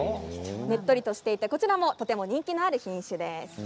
ねっとりとしていて、こちらもとても人気がある品種です。